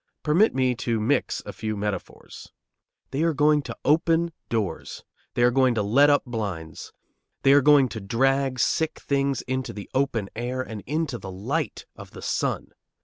Permit me to mix a few metaphors: They are going to open doors; they are going to let up blinds; they are going to drag sick things into the open air and into the light of the sun.